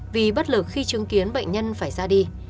vì bất lực khi chứng kiến bệnh nhân phải ra đi